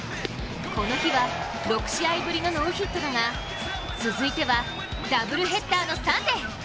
この日は６試合ぶりのノーヒットだが続いてはダブルヘッダーのサンデー。